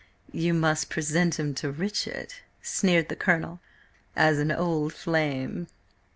"You must present him to Richard," sneered the Colonel, "as an old flame."